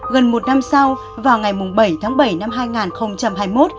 gần một năm sau vào ngày bảy tháng bảy năm hai nghìn hai mươi một